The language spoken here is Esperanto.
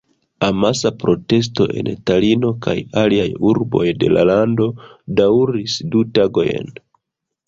Amasa protesto en Talino kaj aliaj urboj de la lando daŭris du tagojn.